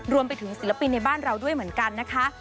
รวมไปถึงศิลปินในบ้านเราด้วยเหมือนกันนะคะ